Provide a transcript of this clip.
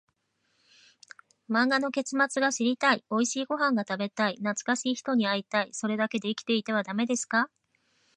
漫画の結末が知りたい、おいしいご飯が食べたい、懐かしい人に会いたい、それだけで生きていてはダメですか？